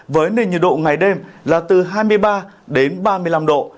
với nền nhiệt độ ngày đêm là từ hai mươi ba đến ba mươi năm độ